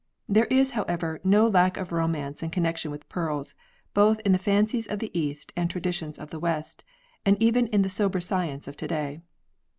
There is, however, no lack of romance in connection with pearls, both in the fancies of the East and traditions of the West, and even in the sober science of to day.